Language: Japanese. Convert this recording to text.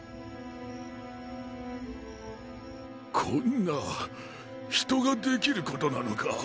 こんな人ができることなのか？